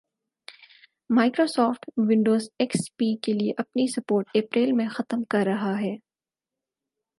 Microsoft, Windows XP پی کے لئے اپنی سپورٹ اپریل میں ختم کررہا ہے